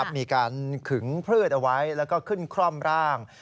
มีการขึงพืชเอาไว้แล้วก็ขึ้นคร่อมร่าง